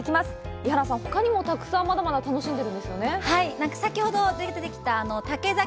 伊原さん、ほかにもまだまだ楽しんでるんですよね？